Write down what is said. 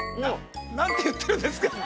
◆何て言ってるんですか？